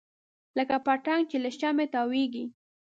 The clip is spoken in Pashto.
لکه پتنګ چې له شمعې تاویږي.